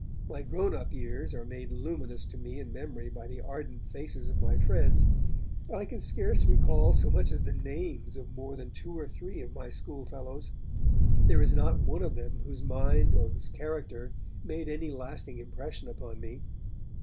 My grown up years are made luminous to me in memory by the ardent faces of my friends, but I can scarce recall so much as the names of more than two or three of my schoolfellows. There is not one of them whose mind or whose character made any lasting impression upon me.